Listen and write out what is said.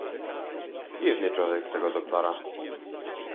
"Dziwny człowiek z tego doktora."